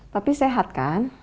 tapi sehat kan